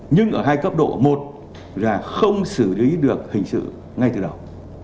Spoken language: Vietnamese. nhưng ở hai cấp độ một là không xử lý được hình sự ngay từ đầu